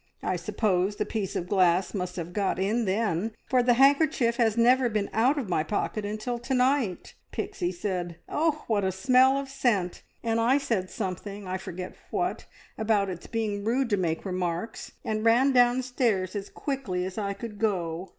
I suppose the piece of glass must have got in then, for the handkerchief has never been out of my pocket until to night. Pixie said, `Oh, what a smell of scent!' and I said something I forget what about its being rude to make remarks, and ran downstairs as quickly as I could go.